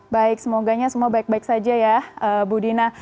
baik semoganya semua baik baik saja ya bu dina